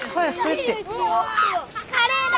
カレーだ！